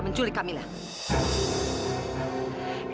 apa yang kamu lakukan